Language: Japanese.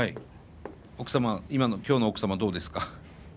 奥様今日の奥様はどうですか？